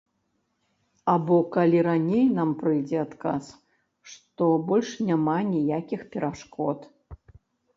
Або калі раней нам прыйдзе адказ, што больш няма ніякіх перашкод.